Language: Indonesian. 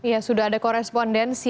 ya sudah ada korespondensi